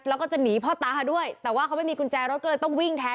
แล้วก็จะหนีพ่อตาด้วยแต่ว่าเขาไม่มีกุญแจรถก็เลยต้องวิ่งแทน